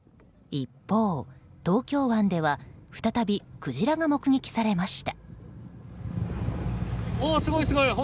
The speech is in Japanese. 一方、東京湾では再びクジラが目撃されました。